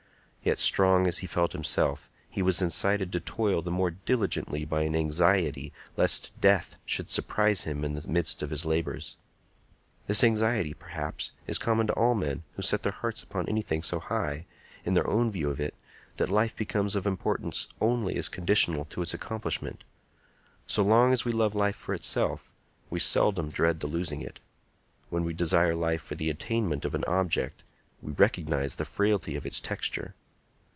Yet, strong as he felt himself, he was incited to toil the more diligently by an anxiety lest death should surprise him in the midst of his labors. This anxiety, perhaps, is common to all men who set their hearts upon anything so high, in their own view of it, that life becomes of importance only as conditional to its accomplishment. So long as we love life for itself, we seldom dread the losing it. When we desire life for the attainment of an object, we recognize the frailty of its texture.